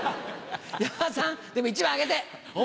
山田さんでも１枚あげて！